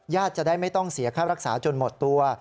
จะได้ไม่ต้องเสียค่ารักษาจนหมดตัว